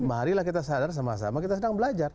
marilah kita sadar sama sama kita sedang belajar